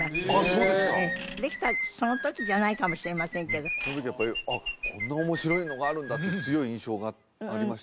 そうですかできたその時じゃないかもしれませんけどその時やっぱりこんな面白いのがあるんだっていう強い印象がありました？